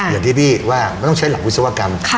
อย่างที่พี่ว่ามันต้องใช้หลักวิศวกรรม